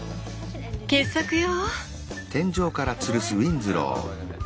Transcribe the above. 傑作よ！